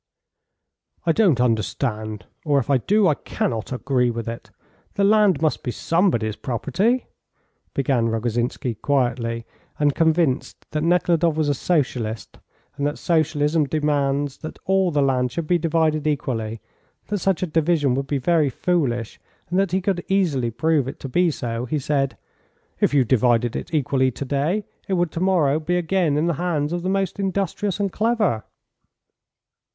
"I don't understand, or if I do I cannot agree with it. The land must be somebody's property," began Rogozhinsky quietly, and, convinced that Nekhludoff was a Socialist, and that Socialism demands that all the land should be divided equally, that such a division would be very foolish, and that he could easily prove it to be so, he said. "If you divided it equally to day, it would to morrow be again in the hands of the most industrious and clever."